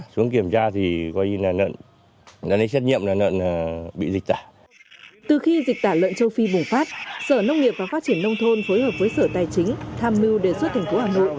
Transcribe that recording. từ khi dịch tả lợn châu phi bùng phát sở nông nghiệp và phát triển nông thôn phối hợp với sở tài chính tham mưu đề xuất thành phố hà nội